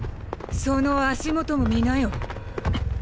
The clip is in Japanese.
その足元も見なよ。